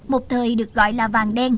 một thời được gọi là vàng đen